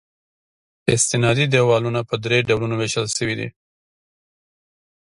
استنادي دیوالونه په درې ډولونو ویشل شوي دي